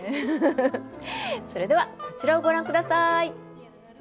それではこちらをご覧ください。